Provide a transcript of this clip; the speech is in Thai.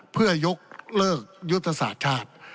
เพื่อยกเลิกยุตสาธิชาติ